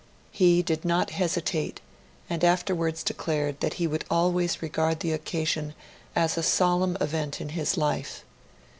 He did not hesitate, and afterwards declared that he would always regard the occasion as a solemn event in his life.